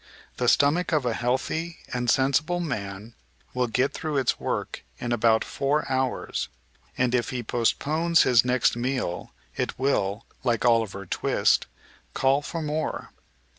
The stomach of a healthy and sensible man will get through its work in about four hours, and, if he postpones his next meal, it will, like Oliver Twist, call for more.